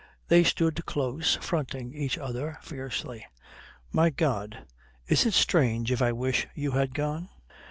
They stood close, fronting each other fiercely. "My God, is it strange if I wish you had gone?